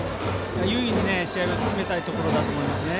優位に試合を進めたいところだと思いますね。